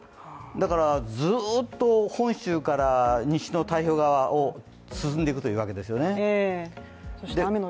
だから、ずっと本州から西の太平洋側を進んでいくというわけですね。